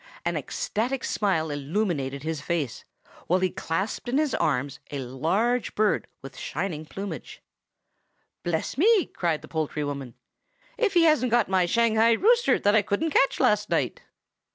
An ecstatic smile illuminated his face, while he clasped in his arms a large bird with shining plumage. "Bless me!" cried the poultry woman. "If he hasn't got my Shanghai rooster that I couldn't catch last night!"